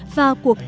và các cuộc diễn tả